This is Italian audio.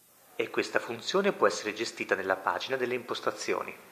E questa funzione può essere gestita nella pagina delle impostazioni.